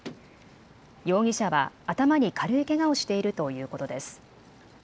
容疑者は頭に軽いけがをしているということです。